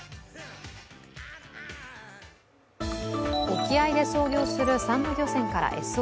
沖合で操業するさんま漁船からＳＯＳ。